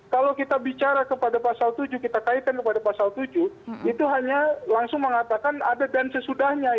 kalau kita bicara kepada pasal tujuh kita kaitkan kepada pasal tujuh itu hanya langsung mengatakan ada dan sesudahnya